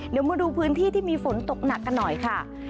เดี๋ยวมาดูพื้นที่ที่มีฝนตกหนักกันหน่อยค่ะ